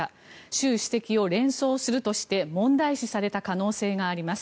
習主席を連想するとして問題視された可能性があります。